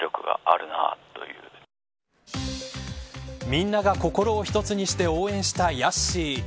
みんなが心を一つにして応援したヤッシー。